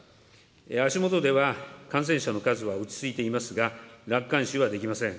足もとでは感染者の数は落ち着いていますが、楽観視はできません。